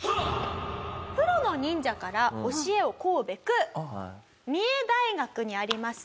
プロの忍者から教えを請うべく三重大学にあります